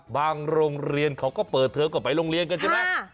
บางโรงเรียนเขาก็เปิดเทิปก่อนไปโรงเรียนกันใช่มั้ย